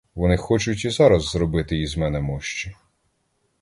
Вони хочуть і зараз зробити із мене мощі.